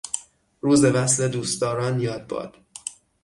روز وصل دوستداران یاد باد